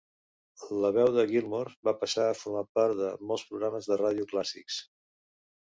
La veu de Gilmore va passar a formar part de molts programes de ràdio clàssics.